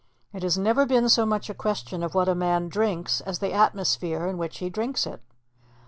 It has never been so much a question of what a man drinks as the atmosphere in which he drinks it.